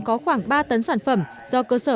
có khoảng ba tấn sản phẩm do cơ sở